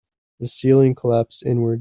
The ceiling collapsed inwards.